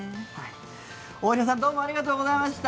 大平さんどうもありがとうございました。